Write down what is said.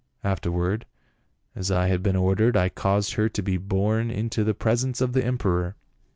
After ward, as I had been ordered, I caused her to be borne 196 PA UL. into the presence of the emperor.